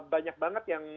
banyak banget yang